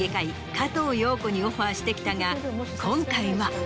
加藤庸子にオファーしてきたが今回は。